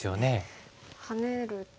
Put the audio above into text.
ハネると。